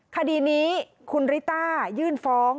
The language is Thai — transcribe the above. คดีนี้คุณริต้ายื่นฟ้อง